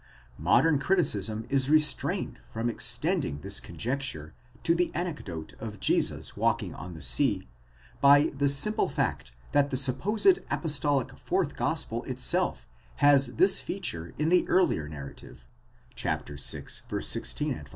® Modern criticism is restrained from extending this conjecture to the anecdote of Jesus walking on the sea, by the fact that the supposed apostolic fourth gospel itself has this feature in the earlier narrative (vi. 16 ff.).